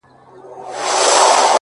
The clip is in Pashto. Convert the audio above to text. زما له ملا څخه په دې بد راځي ـ